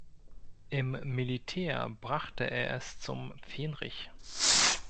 Im Militär brachte er es zum Fähnrich.